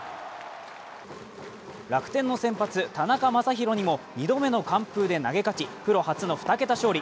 楽天の先発・田中将大にも２度目の完封で投げ勝ち、プロ初の２桁勝利。